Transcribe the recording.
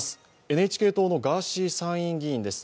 ＮＨＫ党のガーシー参院議員です。